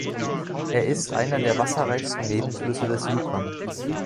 Er ist einer der wasserreichsten Nebenflüsse des Yukon.